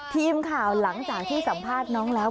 ทีมข่าวหลังจากที่สัมภาษณ์น้องแล้ว